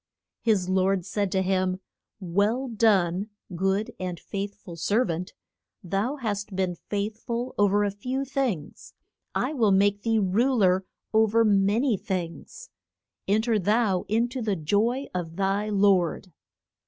His lord said to him, Well done, good and faith ful ser vant, thou hast been faith ful o ver a few things, I will make thee ru ler o ver ma ny things; en ter thou in to the joy of thy lord.